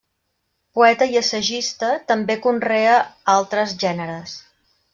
Poeta i assagista, també conrea altres gèneres.